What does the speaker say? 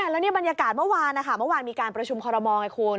แล้วนี่บรรยากาศเมื่อวานนะคะเมื่อวานมีการประชุมคอรมอลไงคุณ